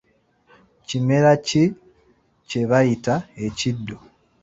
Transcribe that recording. Kimera ki kye bayita ekiddo?